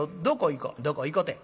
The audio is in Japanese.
「『どこ行こ』て？